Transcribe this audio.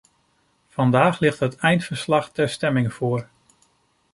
Vandaag ligt het eindverslag ter stemming voor.